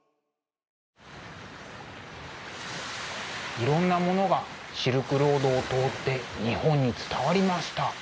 いろんなものがシルクロードを通って日本に伝わりました。